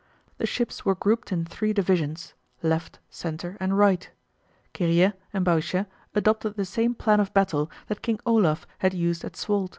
The ships were grouped in three divisions left, centre, and right. Kiriet and Bahuchet adopted the same plan of battle that King Olaf had used at Svold.